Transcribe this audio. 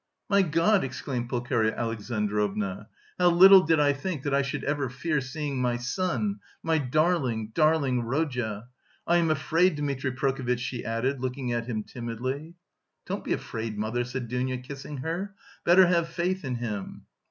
"My God!" exclaimed Pulcheria Alexandrovna, "little did I think that I should ever fear seeing my son, my darling, darling Rodya! I am afraid, Dmitri Prokofitch," she added, glancing at him timidly. "Don't be afraid, mother," said Dounia, kissing her, "better have faith in him."